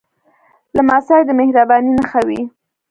لمسی د مهربانۍ نښه وي.